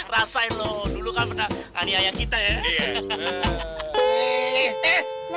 rasain lo dulu kamu tadi ayah kita ya